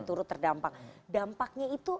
turut terdampak dampaknya itu